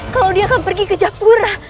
kalau dia akan pergi ke japura